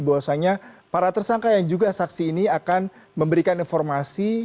bahwasannya para tersangka yang juga saksi ini akan memberikan informasi